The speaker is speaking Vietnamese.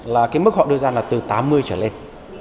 là cái mức họ đưa ra là từ tám mươi trở lên